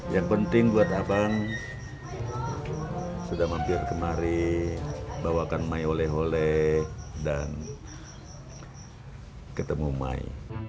yang penting buat abang sudah mampir kemari bawakan my oleh oleh dan ketemu mai